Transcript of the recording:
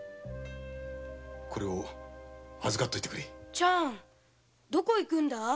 こいつを預かっといてくれチャンどこ行くんだ？